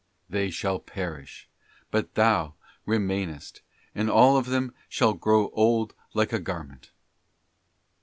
'They shall perish, but Thou remainest, and all of them shall grow old like a gar ment.